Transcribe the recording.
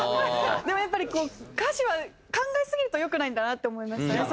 でもやっぱりこう歌詞は考えすぎるとよくないんだなって思いました。